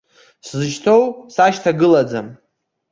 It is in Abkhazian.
Сзышьҭоу сашьҭагылаӡам.